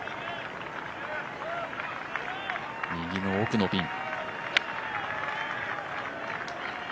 右の奥のピン。